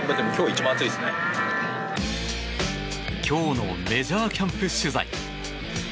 今日のメジャーキャンプ取材。